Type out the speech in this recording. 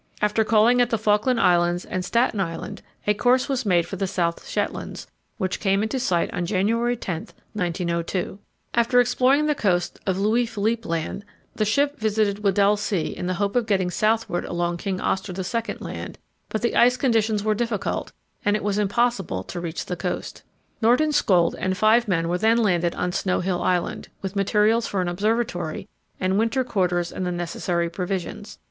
After calling at the Falkland Islands and Staten Island, a course was made for the South Shetlands, which came in sight on January 10, 1902. After exploring the coast of Louis Philippe Land, the ship visited Weddell Sea in the hope of getting southward along King Oscar II. Land, but the ice conditions were difficult, and it was impossible to reach the coast. Nordenskjöld and five men were then landed on Snow Hill Island, with materials for an observatory and winter quarters and the necessary provisions.